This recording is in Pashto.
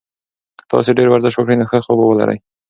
که تاسي ډېر ورزش وکړئ نو ښه خوب به ولرئ.